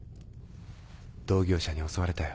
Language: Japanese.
同業者に襲われたよ。